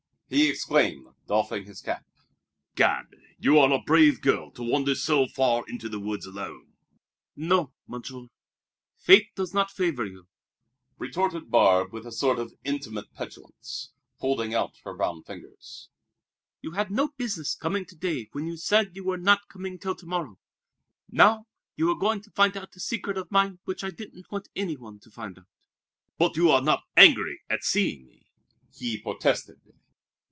he exclaimed, doffing his cap. "Gad, you are a brave girl to wander so far into the woods alone!" "No, Monsieur, fate does not favor you," retorted Barbe with a sort of intimate petulance, holding out her brown fingers. "You had no business coming to day when you said you were not coming till to morrow. Now, you are going to find out a secret of mine which I didn't want any one to find out." "But you are not angry at seeing me," he protested.